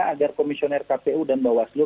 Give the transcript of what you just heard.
agar komisioner kpu dan bawaslu